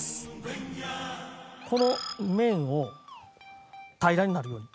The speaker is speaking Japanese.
この面を平らになるように。